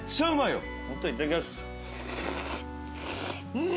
うん！